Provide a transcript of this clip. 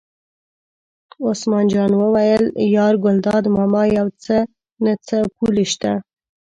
عثمان جان وویل: یار ګلداد ماما یو څه نه څه پولې شته.